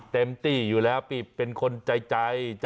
เต็มตีอยู่ร้าปีเป็นคนใจใจนี่